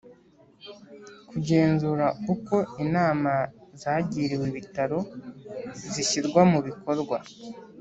kugenzura uko inama zagiriwe Ibitaro zishyirwa mu bikorwa